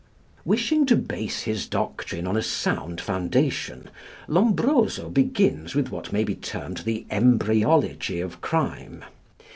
Wishing to base his doctrine on a sound foundation, Lombroso begins with what may be termed the embryology of crime.